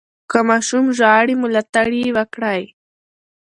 که ماشوم ژاړي، ملاتړ یې وکړئ.